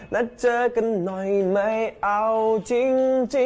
นัดเจอกันหน่อยไม่เอาจริง